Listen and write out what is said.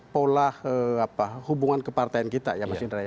pola hubungan kepartaian kita ya mas indra ya